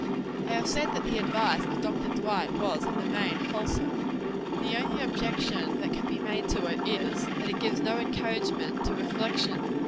I have said that the advice of Dr. Dwight was, in the main, wholesome. The only objection that can be made to it is, that it gives no encouragement to reflection.